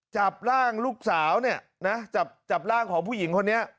จับร่างลูกสาวเนี่ยนะจับร่างของผู้หญิงคนนี้